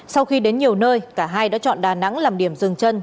sau khi đến nhiều nơi cả hai đã chọn đà nẵng làm điểm dừng chân